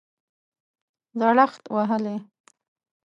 زړښت وهلی